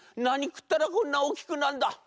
なにくったらこんなおおきくなんだ」。